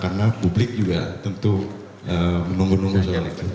karena publik juga tentu menunggu nunggu soal itu